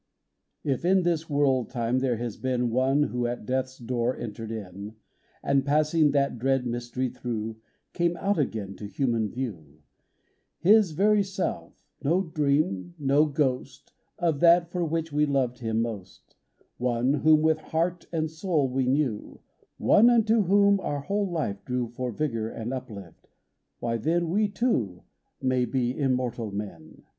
IF in this world time there has been One who at death's door entered in, And, passing that dread mystery through, Came out again to human view, — His very self, no dream, no ghost Of that for which we loved him most ; One whom with heart and soul we knew, One unto whom our whole life drew For vigor and uplift, — why, then We too may be immortal men